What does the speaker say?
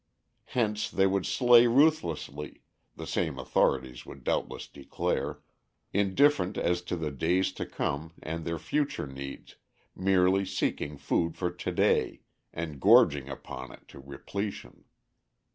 Hence they would slay ruthlessly (the same authorities would doubtless declare), indifferent as to the days to come and their future needs, merely seeking food for to day, and gorging upon it to repletion.